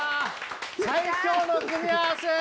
最強の組み合わせ！